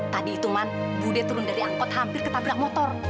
tadi itu man bude turun dari angkot hampir ketabrak motor